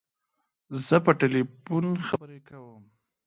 زه په تلیفون خبری کوم.